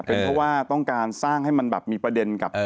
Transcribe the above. เป็นเพราะว่าต้องการสร้างให้มันแบบมีประเด็นกับ